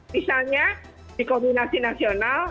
misalnya di kombinasi nasional